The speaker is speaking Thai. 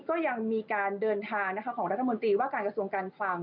ก็ยังมีการเดินทางของรัฐมนตรีว่าการกระทรวงการคลัง